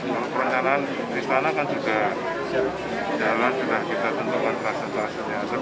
kalau perancangan di sana kan sudah jalan sudah kita tentukan rasa rasanya